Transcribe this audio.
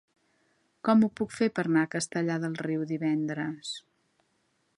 Com ho puc fer per anar a Castellar del Riu divendres?